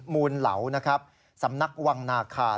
มูลเหลานะครับสำนักวังนาคาร